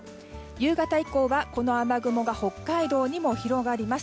夕方以降はこの雨雲が北海道にも広がります。